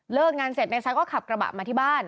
งานเสร็จนายซักก็ขับกระบะมาที่บ้าน